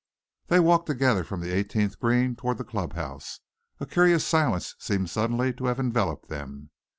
They walked together from the eighteenth green towards the club house. A curious silence seemed suddenly to have enveloped them.